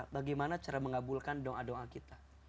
bagaimana cara mengabulkan doa doa kita